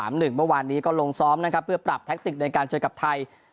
เมื่อวานนี้ก็ลงซ้อมนะครับเพื่อปรับแท็กติกในการเจอกับไทย